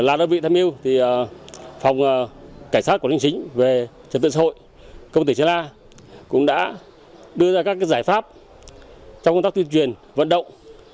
là đơn vị tham yêu thì phòng cảnh sát của linh chính về trận tuyển xã hội công ty chế la cũng đã đưa ra các giải pháp trong công tác tuyên truyền vận động